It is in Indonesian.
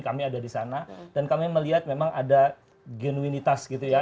kami ada di sana dan kami melihat memang ada genuinitas gitu ya